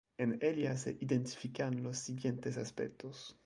En ella se identifican los siguientes aspectos.